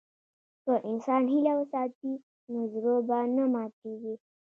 که انسان هیله وساتي، نو زړه به نه ماتيږي.